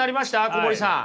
小堀さん。